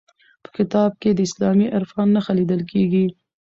په کتاب کې د اسلامي عرفان نښې لیدل کیږي.